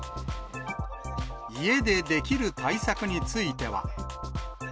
家でできる対策については。